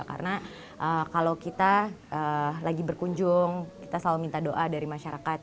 karena kalau kita lagi berkunjung kita selalu minta doa dari masyarakat